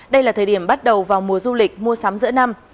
đây là thời điểm bắt đầu vào mùa du lịch mua sắm giữa năm